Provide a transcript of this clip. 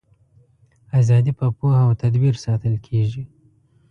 ازادي په پوهه او تدبیر ساتل کیږي.